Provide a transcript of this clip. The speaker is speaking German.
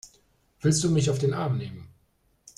Willst du mich auf den Arm nehmen?